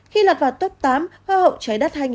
khi lọt vào tốt tám hoa hậu trái đất hai nghìn một mươi sáu